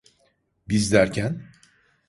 Biz derken?